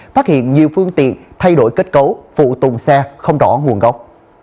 phát hiện nhiều phương tiện thay đổi kết cấu phụ tùng xe không rõ nguồn gốc